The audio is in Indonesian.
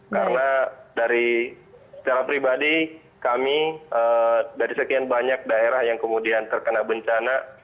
karena dari secara pribadi kami dari sekian banyak daerah yang kemudian terkena bencana